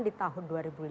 di tahun dua ribu lima